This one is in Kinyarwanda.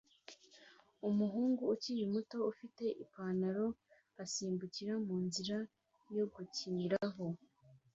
Umuhungu ukiri muto ufite Ipanaro asimbukira munzira yo gukiniraho